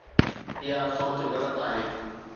اها سوچ غلط آهي.